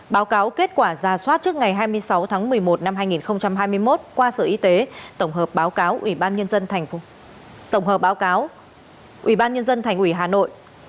báo cáo kết quả ra soát trước ngày hai mươi sáu tháng một mươi một năm hai nghìn hai mươi một qua sở y tế tổng hợp báo cáo ubnd thành ủy hà nội